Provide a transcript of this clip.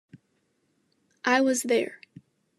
I was there.